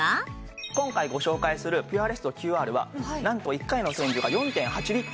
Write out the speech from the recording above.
今回ご紹介するピュアレストＱＲはなんと１回の洗浄が４．８リットル。